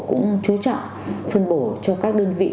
cũng chú trọng phân bổ cho các đơn vị